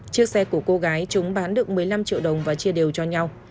chiếc xe của cô gái chúng bán được một mươi năm triệu đồng và chia đều cho nhau